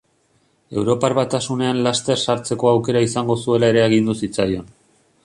Europar Batasunean laster sartzeko aukera izango zuela ere agindu zitzaion.